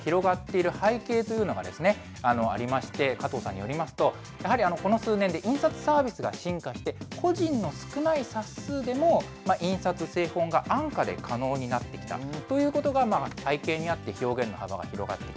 人生にはしるというところなんですけど、こういったＺＩＮＥが広がっている背景というのがありまして、加藤さんによりますと、やはりこの数年で印刷サービスが進化して、個人の少ない冊数でも、印刷・製本が安価で可能になってきたということが背景にあって、表現の幅が広がっている。